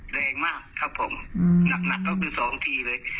แรงมากครับผมหนักก็คือ๒ทีเลย